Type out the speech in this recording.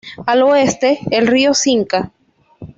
Al oeste, el río Cinca.